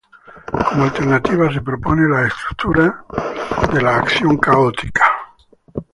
Como alternativa se proponen las estructuras de la Acción Católica.